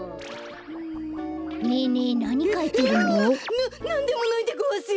ななんでもないでごわすよ！